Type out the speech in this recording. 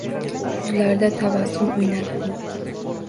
Yuzlarida tabassum o‘ynadi uni.